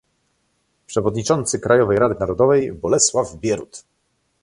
Przewodniczący Krajowej Rady Narodowej: Bolesław Bierut